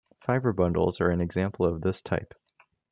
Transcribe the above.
Fiber bundles are an example of this type.